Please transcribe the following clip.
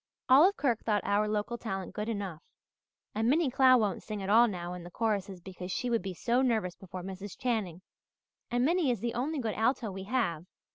Olive Kirk thought our local talent good enough and Minnie Clow won't sing at all now in the choruses because she would be so nervous before Mrs. Channing. And Minnie is the only good alto we have!